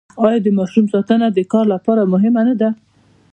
آیا د ماشوم ساتنه د کار لپاره مهمه نه ده؟